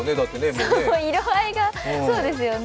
そう、色合いがそうですよね